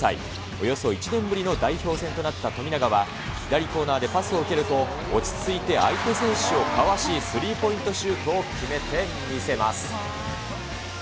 およそ１年ぶりの代表戦となった富永は左コーナーでパスを受けると、落ち着いて相手選手をかわし、スリーポイントシュートを決めて見せます。